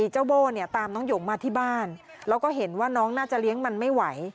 โบ้เนี่ยตามน้องหยงมาที่บ้านแล้วก็เห็นว่าน้องน่าจะเลี้ยงมันไม่ไหว